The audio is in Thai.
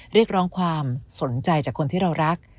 เรียกร้องความสนใจจากคนที่เรารัก